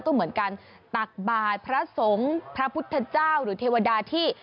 ก็เหมือนกันตักบาทพระสงฆ์พระพุทธเจ้าหรือเทวดาที่